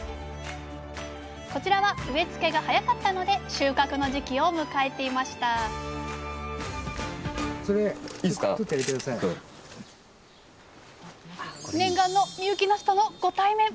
こちらは植え付けが早かったので収穫の時期を迎えていました念願の深雪なすとのご対面！